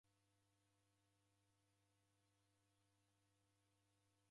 W'ebwaghwa kio cheruw'uka mwaka m'bishi.